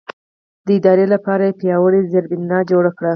د ادارې لپاره یې پیاوړې زېربنا جوړه کړه.